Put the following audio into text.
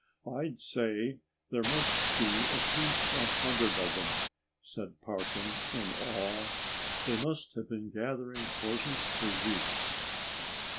"I'd say there must be at least a hundred of them," said Parkin in awe. "They must have been gathering horses for weeks."